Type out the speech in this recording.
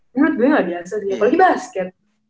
menurut gue gak biasa sih apalagi basket